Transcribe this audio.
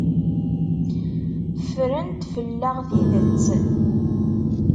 Ffrent fell-aɣ tidet.